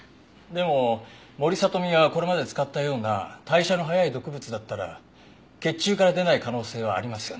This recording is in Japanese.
でも森聡美がこれまで使ったような代謝の早い毒物だったら血中から出ない可能性はありますよね？